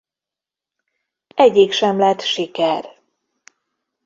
Egyik sem lett siker.